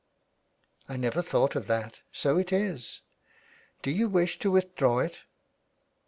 " I never thought of that. So it is. Do you wish to withdraw it